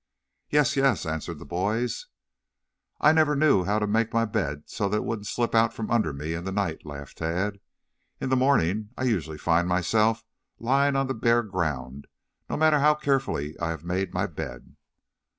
"Yes, yes," answered the boys. "I never knew how to make my bed so it wouldn't slip out from under me in the night," laughed Tad. "In the morning I usually find myself lying on the bare ground, no matter how carefully I have made my bed."